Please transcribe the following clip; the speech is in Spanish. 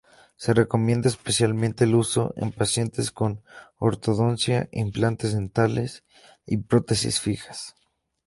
Se recomienda especialmente su uso en pacientes con ortodoncia, implantes dentales y prótesis fijas.